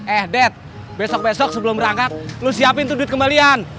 eh dead besok besok sebelum berangkat lu siapin tuh duit kembalian